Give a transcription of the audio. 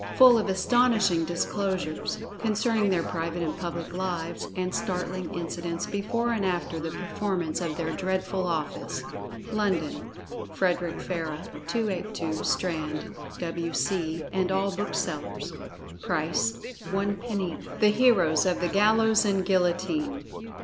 FULL OF ASTONISHING DISCLOSURES Concerning their Private and Public Lives, and Startling Incidents before and after the performance of their dreadful office. LONDON: FREDERICK FARRAH, 282, STRAND, W.C. And all Booksellers. PRICE ONE PENNY. THE HEROES OF THE GALLOWS AND GUILLOTINE.